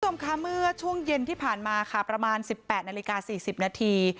คุณผู้ชมค่ะเมื่อช่วงเย็นที่ผ่านมาค่ะประมาณ๑๘นาฬิกา๔๐นาที